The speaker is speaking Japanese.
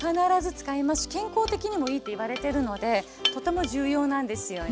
健康的にもいいっていわれてるのでとても重要なんですよね。